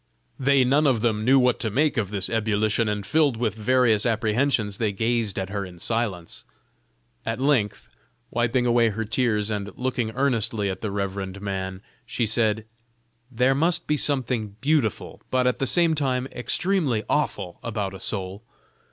They none of them knew what to make of this ebullition, and filled with various apprehensions they gazed at her in silence. At length, wiping away her tears, and looking earnestly at the reverend man, she said: "There must be something beautiful, but at the same time extremely awful, about a soul.